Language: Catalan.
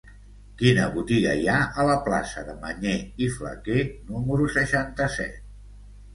Quina botiga hi ha a la plaça de Mañé i Flaquer número seixanta-set?